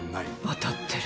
当たってる。